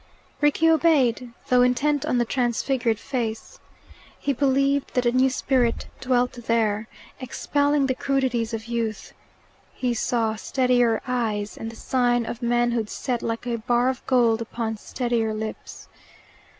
Rickie obeyed, though intent on the transfigured face. He believed that a new spirit dwelt there, expelling the crudities of youth. He saw steadier eyes, and the sign of manhood set like a bar of gold upon steadier lips.